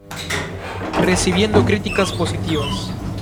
Recibiendo críticas positivas.